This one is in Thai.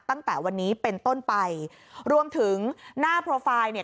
ตั้งแต่วันนี้เป็นต้นไปรวมถึงหน้าโปรไฟล์เนี่ย